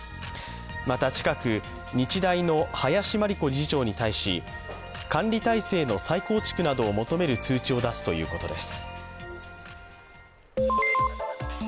また、近く日大の林真理子理事長に対し管理体制の再構築などを求める通知を出すということです。